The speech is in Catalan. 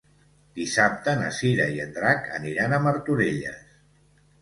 Dissabte na Cira i en Drac aniran a Martorelles.